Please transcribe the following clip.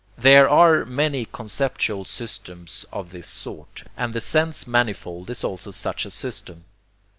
There are many conceptual systems of this sort; and the sense manifold is also such a system.